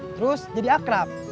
terus jadi akrab